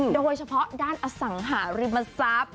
โดยเฉพาะด้านอสังหาริมทรัพย์